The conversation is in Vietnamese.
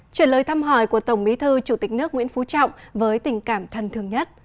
chuyển lời thăm hỏi của tổng bí thư chủ tịch nước nguyễn phú trọng với tình cảm thân thương nhất